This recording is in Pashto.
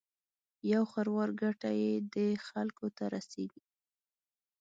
یو خروار ګټه یې دې خلکو ته رسېږي.